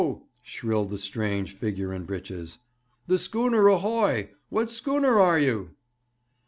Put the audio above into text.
shrilled the strange figure in breeches. 'The schooner ahoy! What schooner are you?'